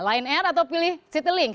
line air atau pilih citylink